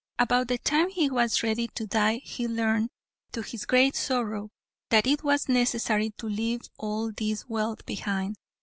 About the time he was ready to die he learned to his great sorrow that it was necessary to leave all this wealth behind.